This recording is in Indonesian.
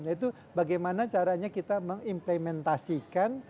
yaitu bagaimana caranya kita mengimplementasikan